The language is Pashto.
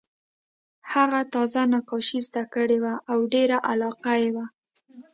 هغه تازه نقاشي زده کړې وه او ډېره علاقه یې وه